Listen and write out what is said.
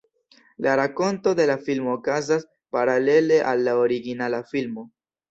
La rakonto de la filmo okazas paralele al la originala filmo.